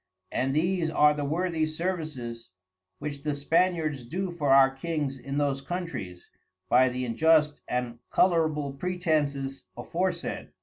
And these are the worthy Services which the Spaniards do for our Kings in those Countries, by the injust and colourable pretences aforesaid.